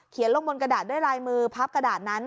ลงบนกระดาษด้วยลายมือพับกระดาษนั้น